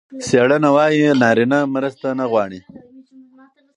څېړنه وايي نارینه مرسته نه غواړي.